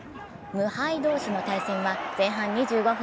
無敗同士の対戦は前半２５分